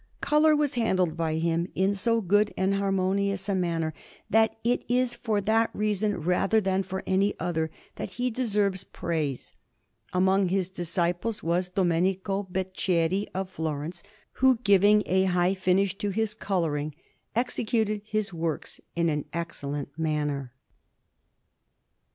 Colour was handled by him in so good and harmonious a manner, that it is for that reason, rather than for any other, that he deserves praise. Among his disciples was Domenico Beceri of Florence, who, giving a high finish to his colouring, executed his works in an excellent manner.